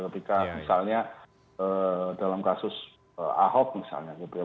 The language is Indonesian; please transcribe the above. ketika misalnya dalam kasus ahok misalnya gitu ya